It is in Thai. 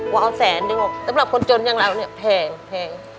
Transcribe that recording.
กูเอาแสนหนึ่งสำหรับคนจนอย่างเราเนี่ยแพงแพง